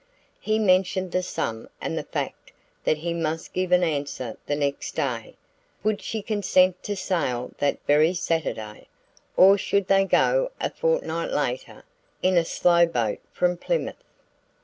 He mentioned the sum and the fact that he must give an answer the next day. Would she consent to sail that very Saturday? Or should they go a fortnight later, in a slow boat from Plymouth?